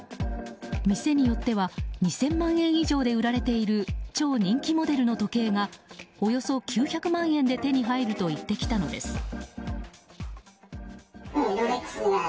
店によっては２０００万円以上で売られている超人気モデルの時計がおよそ９００万円で手に入ると言ってきたのです。